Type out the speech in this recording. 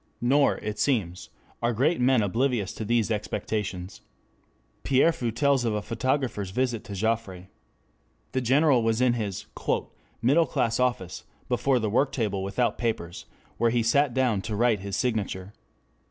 Nor it seems are great men oblivious to these expectations. M. de Pierrefeu tells of a photographer's visit to Joffre. The General was in his "middle class office, before the worktable without papers, where he sat down to write his signature.